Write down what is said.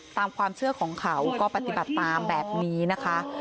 ตามความเชื่อของเขาก็ปฏิบัติตามแบบนี้นะคะ